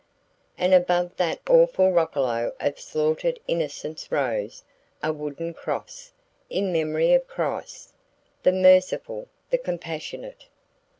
And above that awful roccolo of slaughtered innocents rose a wooden cross, in memory of Christ, the Merciful, the Compassionate!